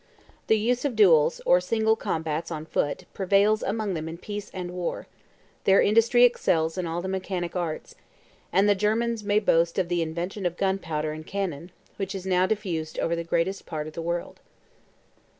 The use of duels, or single combats on foot, prevails among them in peace and war: their industry excels in all the mechanic arts; and the Germans may boast of the invention of gunpowder and cannon, which is now diffused over the greatest part of the world.